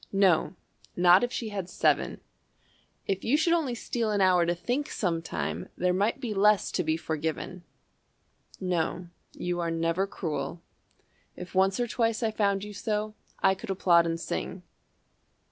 No, not if she had seven. If you should only steal an hour to think, Sometime, there might be less to be forgiven. "No, you are never cruel. If once or twice I found you so, I could applaud and sing.